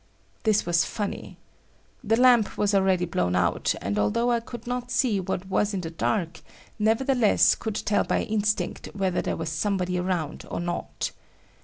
This was funny. The lamp was already blown out and although I could not see what was what in the dark, nevertheless could tell by instinct whether there was somebody around or not.